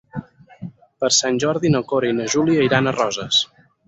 Per Sant Jordi na Cora i na Júlia iran a Roses.